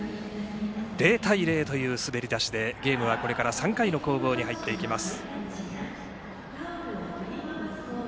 ０対０という滑り出しでゲームはこれから３回の攻防に入っていきます。